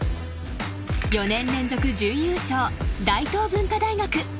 ４年連続準優勝大東文化大学。